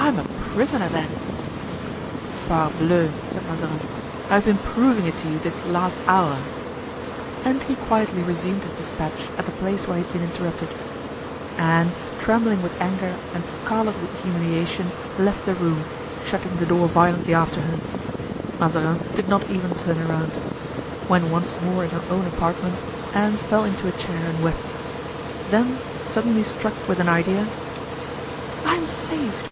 "I am a prisoner, then?" "Parbleu!" said Mazarin, "I have been proving it to you this last hour." And he quietly resumed his dispatch at the place where he had been interrupted. Anne, trembling with anger and scarlet with humiliation, left the room, shutting the door violently after her. Mazarin did not even turn around. When once more in her own apartment Anne fell into a chair and wept; then suddenly struck with an idea: "I am saved!"